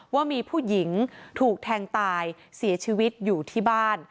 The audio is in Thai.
ว่ามีผู้หญิงถูกแทงตายเสียชีวิตอยู่ที่บ้าน